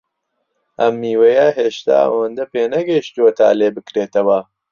ئەم میوەیە هێشتا ئەوەندە پێنەگەیشتووە تا لێبکرێتەوە.